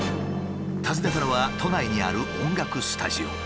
訪ねたのは都内にある音楽スタジオ。